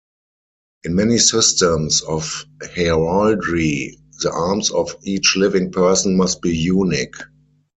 In many systems of heraldry, the arms of each living person must be unique.